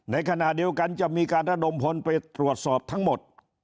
ในขณะเดียวกันจะมีการระดมพลไปตรวจสอบทั้งหมด